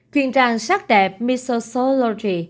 chuyên trang sắc đẹp misosology